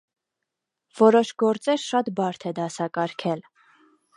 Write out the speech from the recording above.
Որոշ գործեր շատ բարդ է դասակարգել։